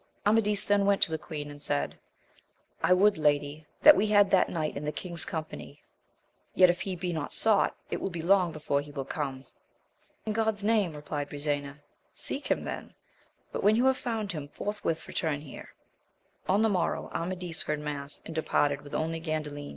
Amadis then went to the queen, and said, I would, lady, that we had that knight in the king's company ; yet, if he be not sought, it will be long before he will come. In God's name, replied Brisena, seek him then, but when you have found him forthwith return here. On the morrow Amadis heard mass, and departed with only Gandalin.